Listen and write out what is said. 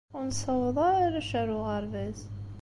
Ur nessawaḍ ara arrac ar uɣerbaz.